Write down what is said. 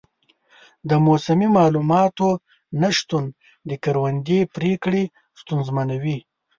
د موسمي معلوماتو نه شتون د کروندې پریکړې ستونزمنوي.